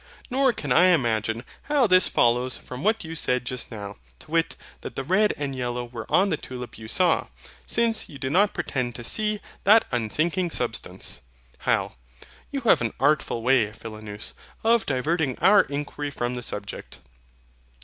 Nor can I imagine how this follows from what you said just now, to wit, that the red and yellow were on the tulip you SAW, since you do not pretend to SEE that unthinking substance. HYL. You have an artful way, Philonous, of diverting our inquiry from the subject.